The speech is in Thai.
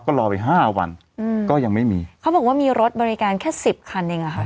ก็รอไปห้าวันอืมก็ยังไม่มีเขาบอกว่ามีรถบริการแค่สิบคันเองอะค่ะ